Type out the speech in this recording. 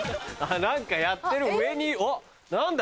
何かやってる上におっ何だ？